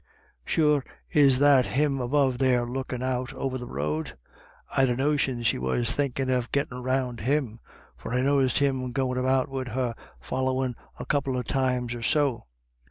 Sure is that him above there lookin' out over the road ?— I'd a notion she was thinkin' of gittin' round him, for I noticed him goin' about wid her followin' a couple of times or so.